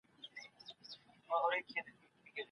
اصلاً "بېخي پاک" ځای نشته او ټول ځایونه لږ یا ډېر مکروب لري.